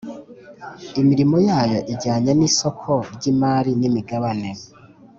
imirimo yayo ijyanye n isoko ry imari n imigabane